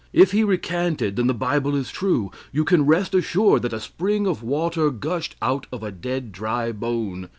If he recanted, then the Bible is true you can rest assured that a spring of water gushed out of a dead dry bone.